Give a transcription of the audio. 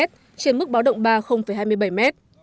trên mức báo động ba hai mươi bảy m